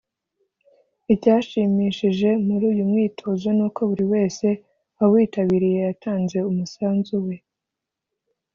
Icyashimishije muri uyu mwitozo n’uko buri wese wawitabiriye yatanze umusanzu we